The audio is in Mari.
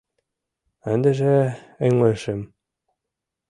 Ындыже ыҥлышым...